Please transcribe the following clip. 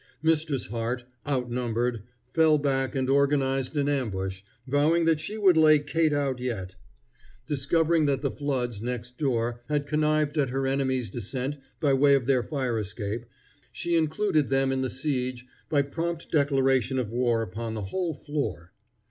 Mistress Hart, outnumbered, fell back and organized an ambush, vowing that she would lay Kate out yet. Discovering that the Floods, next door, had connived at her enemy's descent by way of their fire escape, she included them in the siege by prompt declaration of war upon the whole floor.